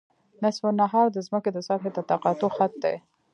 نصف النهار د ځمکې د سطحې د تقاطع خط دی